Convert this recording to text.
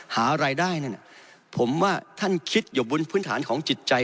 หารายได้นั่นผมว่าท่านคิดอยู่บนพื้นฐานของจิตใจ